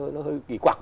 nó hơi kỳ quạc